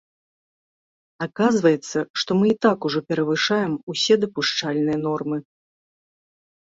Аказваецца, што мы і так ужо перавышаем усе дапушчальныя нормы.